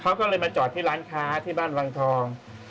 เขาก็เลยมาจอดที่ร้านค้าที่บ้านวังทอง